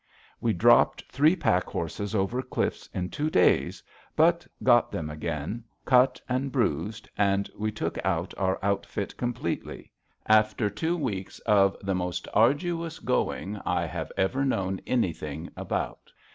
We dropped three pack horses over cliffs in two days, but got them again, cut and bruised, and we took out our outfit complete, after two weeks of the most arduous going I have ever known anything about.